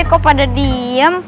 eh kok pada diem